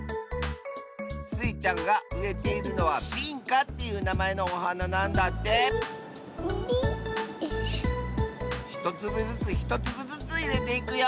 スイちゃんがうえているのは「ビンカ」っていうなまえのおはななんだってひとつぶずつひとつぶずついれていくよ。